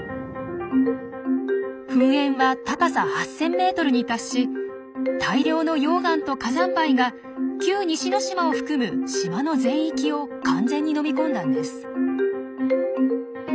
噴煙は高さ８，０００ｍに達し大量の溶岩と火山灰が旧・西之島を含む島の全域を完全に飲み込んだんです。